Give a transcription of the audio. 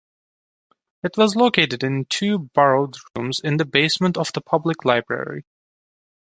It was located in two borrowed rooms in the basement of the public library.